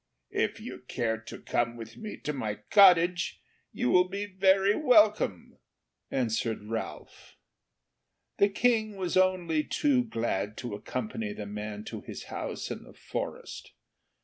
"If you care to come with me to my cottage you will be very welcome," answered Ralph. The King was only too glad to accompany the man to his house in the forest.